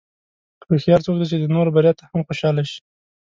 هوښیار څوک دی چې د نورو بریا ته هم خوشاله شي.